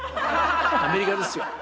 アメリカですよ。